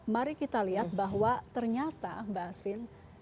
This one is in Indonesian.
mari kita lihat bahwa ternyata mbak asvin